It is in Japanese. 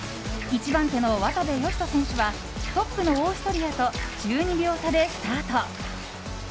１番手の渡部善斗選手はトップのオーストリアと１２秒差でスタート。